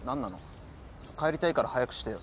帰りたいから早くしてよ。